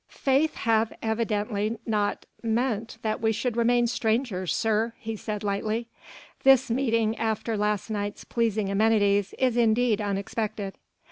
"Fate hath evidently not meant that we should remain strangers, sir," he said lightly, "this meeting after last night's pleasing amenities is indeed unexpected."